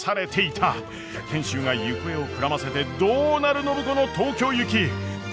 賢秀が行方をくらませてどうなる暢子の東京行き。